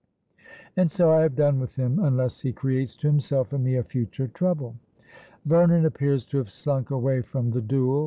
And so I have done with him, unless he creates to himself and me a future trouble!" Vernon appears to have slunk away from the duel.